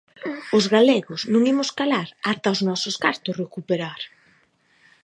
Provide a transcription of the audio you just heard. Os galegos non imos calar ata os nosos cartos recuperar.